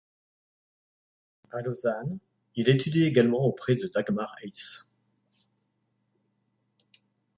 À Lausanne, il étudie également auprès de Dagmar Eise.